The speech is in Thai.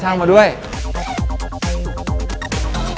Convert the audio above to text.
จากพี่ก่อนมา